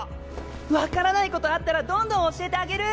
分からないことあったらどんどん教えてあげる！